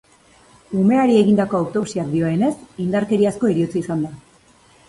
Umeari egindako autopsiak dioenez, indarkeriazko heriotza izan da.